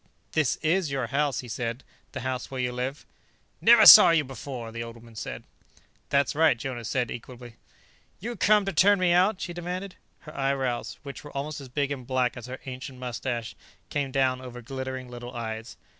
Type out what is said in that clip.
"This is your house?" he said. "The house where you live?" "Never saw you before," the old woman said. "That's right," Jonas said equably. "You come to turn me out?" she demanded. Her eyebrows which were almost as big and black as her ancient mustache came down over glittering little eyes.